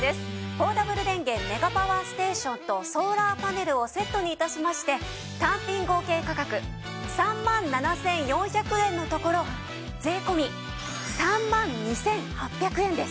ポータブル電源メガパワーステーションとソーラーパネルをセットに致しまして単品合計価格３万７４００円のところ税込３万２８００円です。